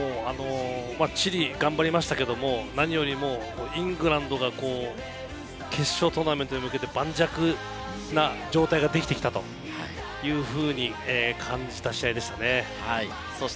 チリ、頑張りましたけれども、何よりもイングランドが決勝トーナメントに向けて盤石な状態ができてきたというふうに感じた試合でした。